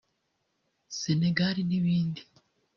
Sénégal n’ibindi